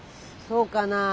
そうかな？